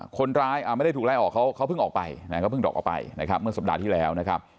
คนร้ายไม่ได้ถูกไล่ออกเขาเพิ่งออกไปเมื่อสัปดาห์ที่แล้ว